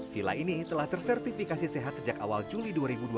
villa ini telah tersertifikasi sehat sejak awal juli dua ribu dua puluh